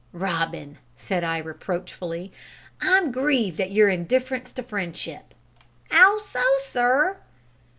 "Robin," said I reproachfully, "I'm grieved at your indifference to friendship." "'Ow so, sir?"